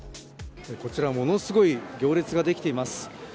こちら、ものすごい行列ができています。